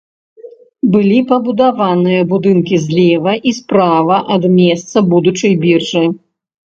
Былі пабудаваныя будынка злева і справа ад месца будучай біржы.